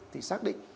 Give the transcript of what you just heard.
thì xác định